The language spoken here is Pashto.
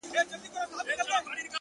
د رڼاگانو شيسمحل کي به دي ياده لرم!